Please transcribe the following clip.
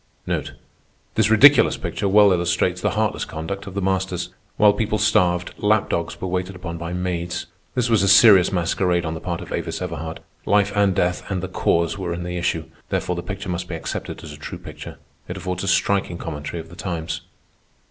This ridiculous picture well illustrates the heartless conduct of the masters. While people starved, lap dogs were waited upon by maids. This was a serious masquerade on the part of Avis Everhard. Life and death and the Cause were in the issue; therefore the picture must be accepted as a true picture. It affords a striking commentary of the times.